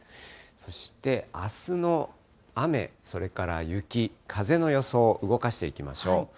そしてあすの雨、それから雪、風の予想、動かしていきましょう。